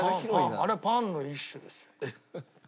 あれはパンの一種ですよ。